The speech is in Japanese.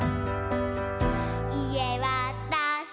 「いえわたし！」